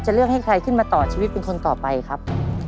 เลือกให้ใครขึ้นมาต่อชีวิตเป็นคนต่อไปครับ